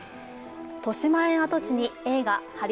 としまえん跡地に映画